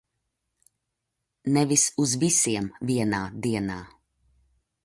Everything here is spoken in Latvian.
Nevis uz visiem vienā dienā.